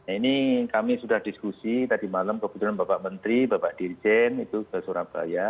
ini kami sudah diskusi tadi malam kebetulan bapak menteri bapak dirjen itu ke surabaya